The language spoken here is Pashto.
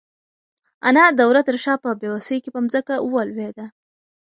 انا د وره تر شا په بېوسۍ کې په ځمکه ولوېده.